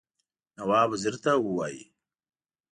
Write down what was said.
نواب وزیر ته ووايي.